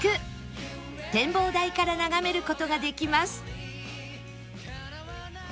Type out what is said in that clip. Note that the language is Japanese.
展望台から眺める事ができます